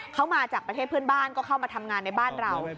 เขามาจากประเทศเพื่อนบ้านก็เข้ามาทำงานในบ้านเรา